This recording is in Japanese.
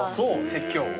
説教を？